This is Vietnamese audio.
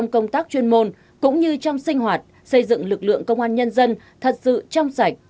công tác chuyên môn cũng như trong sinh hoạt xây dựng lực lượng công an nhân dân thật sự trong sạch